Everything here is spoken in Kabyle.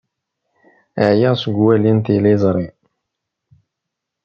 Ɛyiɣ seg uwali n tliẓri.